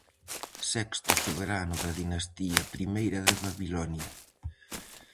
Sexto soberano da dinastía primeira de Babilonia.